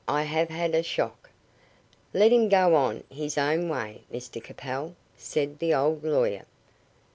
I have had a shock." "Let him go on his own way, Mr Capel," said the old lawyer.